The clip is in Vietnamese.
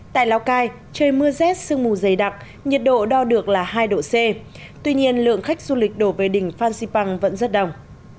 tại lào cai trời mưa rét sương mù dày đặc nhiệt độ đo được là hai độ c tuy nhiên lượng khách du lịch đổ về đỉnh phan xipang vẫn rất đông